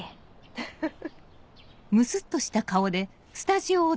フフフ。